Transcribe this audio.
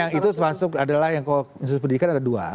yang itu termasuk adalah yang kalau institusi pendidikan ada dua